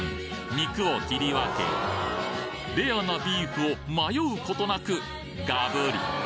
肉を切り分けレアなビーフを迷うことなくガブリ